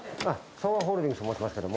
想和ホールディングスと申しますけども。